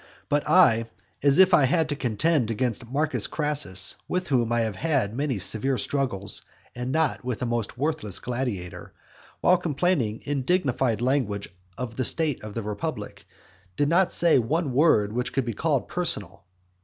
But I, as if I had to contend against Marcus Crassus, with whom I have had many severe struggles, and not with a most worthless gladiator, while complaining in dignified language of the state of the republic, did not say one word which could be called personal.